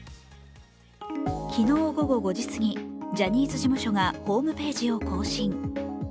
昨日午後５時過ぎ、ジャニーズ事務所がホームページを更新。